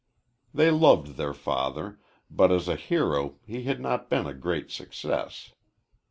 They loved their father, but as a hero he had not been a great success.